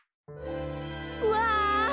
うわ！